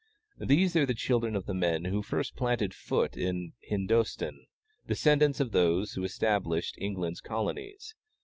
These are the children of the men who first planted foot in Hindostan, descendants of those who established England's colonies.